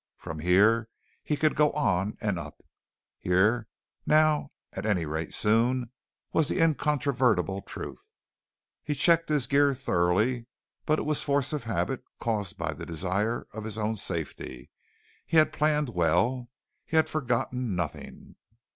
From here he could go on and up; here, now, at any rate soon, was the incontrovertible truth. He checked his gear thoroughly, but it was force of habit caused by the desire of his own safety. He had planned well. He had forgotten nothing.